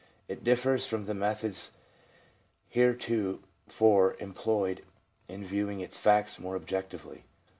It differs from the methods heretofore employed in viewing its facts more objectively.